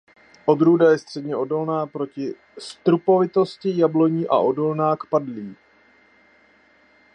Odrůda je středně odolná proti strupovitosti jabloní a odolná k padlí.